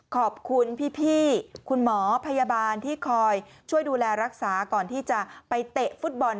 ขอบคุณพี่คุณหมอพยาบาลที่คอยช่วยดูแลรักษาก่อนที่จะไปเตะฟุตบอล